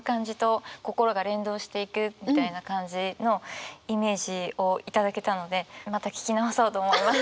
みたいな感じのイメージを頂けたのでまた聴き直そうと思います。